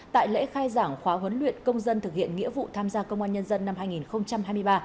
tại lễ khai giảng khóa huấn luyện công dân thực hiện nghĩa vụ tham gia công an nhân dân năm hai nghìn hai mươi ba